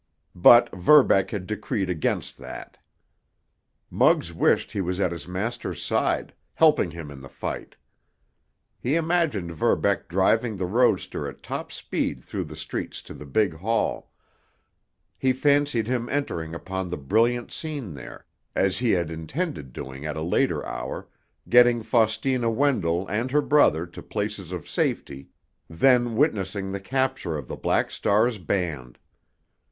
But Verbeck had decreed against that. Muggs wished he was at his master's side, helping him in the fight. He imagined Verbeck driving the roadster at top speed through the streets to the big hall; he fancied him entering upon the brilliant scene there, as he had intended doing at a later hour, getting Faustina Wendell and her brother to places of safety, then witnessing the capture of the Black Star's band.